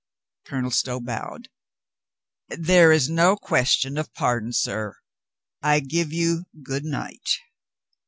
Colonel Stow bowed. "There is no question of pardon, sir. I give you good night."